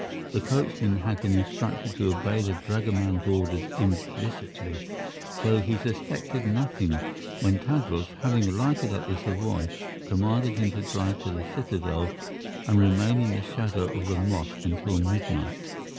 The coachman had been instructed to obey the dragoman's orders implicitly, so he suspected nothing when Tadros, having alighted at the Savoy, commanded him to drive to the citadel and remain in the shadow of the mosque until midnight.